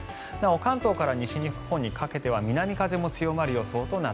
関東から西日本にかけては風も強くなります。